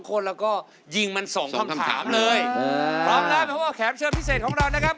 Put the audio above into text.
พร้อมแล้วเพราะว่าแขมเชิญพิเศษของเรานะครับ